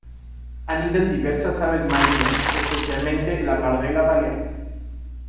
Anidan diversas aves marinas, especialmente la pardela balear.